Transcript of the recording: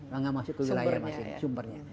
langkah masuk ke wilayah masing masing